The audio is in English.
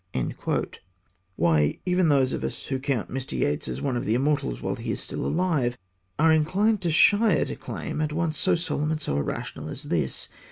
Why, even those of us who count Mr. Yeats one of the immortals while he is still alive, are inclined to shy at a claim at once so solemn and so irrational as this.